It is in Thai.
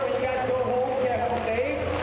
ผมพร้อมใช่ไหม